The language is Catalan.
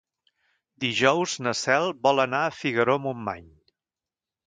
Dijous na Cel vol anar a Figaró-Montmany.